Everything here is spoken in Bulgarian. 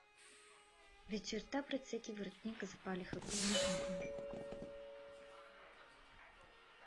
Вечерта пред всеки вратник запалиха голям огън.